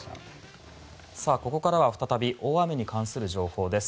ここからは再び大雨に関する情報です。